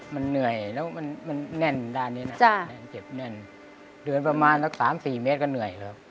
มันเหนื่อยแล้วมันแน่นด้านนี้นะเจ็บแน่นเดือนประมาณสักสามสี่เมตรก็เหนื่อยครับ